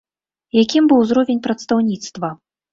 Якім быў узровень прадстаўніцтва?